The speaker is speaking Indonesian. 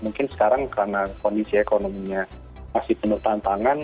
mungkin sekarang karena kondisi ekonominya masih penuh tantangan